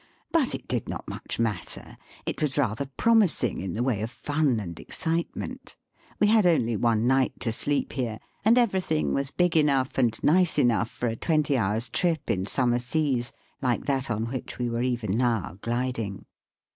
But it did not much matter. It was rather promising in the way of fun and excitement. We had only one night to sleep here, and everything was big enough and nice enough for a twenty hours' trip in Bummer seas like that on which we were even now gliding.